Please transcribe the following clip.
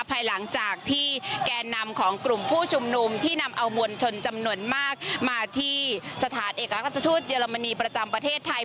ภายหลังจากที่แก่นำของกลุ่มผู้ชุมนุมที่นำเอามวลชนจำนวนมากมาที่สถานเอกราชทูตเยอรมนีประจำประเทศไทย